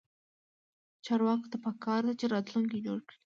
چارواکو ته پکار ده چې، راتلونکی جوړ کړي